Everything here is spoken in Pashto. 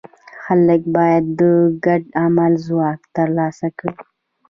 خلک باید د ګډ عمل ځواک ترلاسه کړي.